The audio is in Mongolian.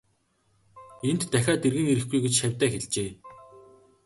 Энд дахиад эргэн ирэхгүй гэж шавьдаа хэлжээ.